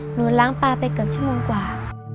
ล้างปลาไปเกือบชั่วโมงกว่า